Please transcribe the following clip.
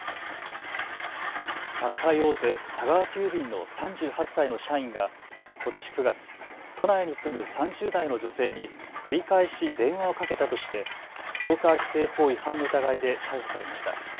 宅配大手、佐川急便の３８歳の社員がことし９月、都内に住む３０代の女性に繰り返し電話をかけたとしてストーカー規制法違反の疑いで逮捕されました。